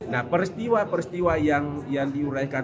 nah peristiwa peristiwa yang diuraikan